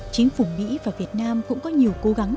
chính phủ mỹ và việt nam cũng có nhiều cố gắng